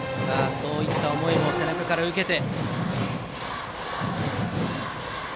そういった思いも背中から受けて。